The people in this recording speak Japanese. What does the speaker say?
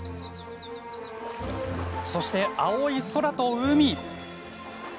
そして、青い空と海。